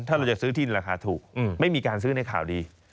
ถ้าเราจะซื้อที่ราคาถูกไม่มีการซื้อในข่าวดี